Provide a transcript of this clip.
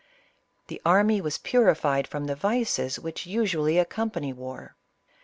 The army was purified from the vices which usually accompany war.